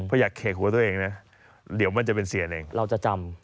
เพราะอยากเขกหัวตัวเองนะเดี๋ยวมันจะเป็นเสียเองเราจะจำ